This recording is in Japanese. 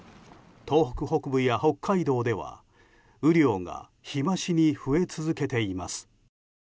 東北北部や北海道では雨量が日増しに増え続けています。